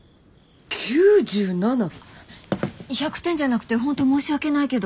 ９７？１００点じゃなくて本当申し訳ないけど。